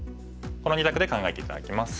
この２択で考えて頂きます。